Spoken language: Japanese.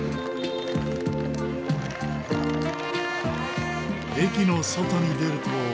駅の外に出ると。